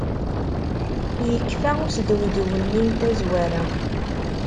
Yekfa usdewdew-nni n tazwara!